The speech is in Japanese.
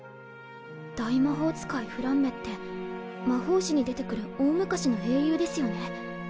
大魔法使いフランメって魔法史に出てくる大昔の英雄ですよね？